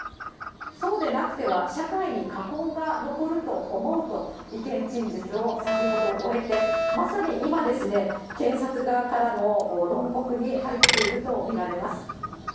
そうでなくては社会に禍根が残ると思うと、意見陳述を先ほど終えて、まさに今ですね、検察側からの論告に入っていると見られます。